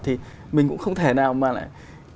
thì mình cũng không thể nào mà lại